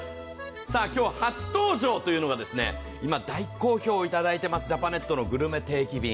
今日は初登場というのが今大好評をいただいておりますジャパネットのグルメ定期便。